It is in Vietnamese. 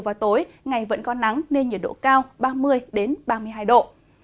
và tối ngày vẫn có nắng nên nhiệt độ cao ba mươi ba mươi hai độ